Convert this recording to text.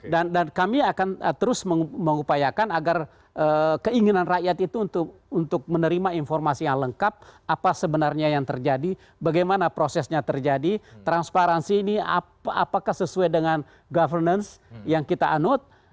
dan kami akan terus mengupayakan agar keinginan rakyat itu untuk menerima informasi yang lengkap apa sebenarnya yang terjadi bagaimana prosesnya terjadi transparansi ini apakah sesuai dengan governance yang kita anot